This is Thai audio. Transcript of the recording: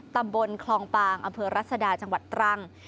ตำบลคลองปางอำเภอรัศดาจังหวัดตรัง